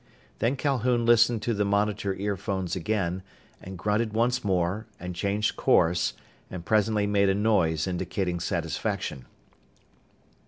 Then Calhoun listened to the monitor earphones again, and grunted once more, and changed course, and presently made a noise indicating satisfaction.